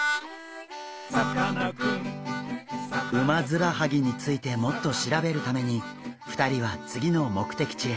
ウマヅラハギについてもっとしらべるために２人はつぎのもくてきちへ。